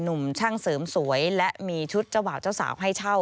หนุ่มช่างเสริมสวยและมีชุดเจ้าบ่าวเจ้าสาวให้เช่า